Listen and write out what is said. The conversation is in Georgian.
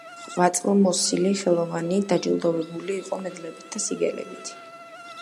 ღვაწლმოსილი ხელოვანი დაჯილდოვებული იყო მედლებით და სიგელებით.